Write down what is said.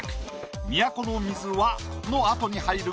「都の水は」のあとに入る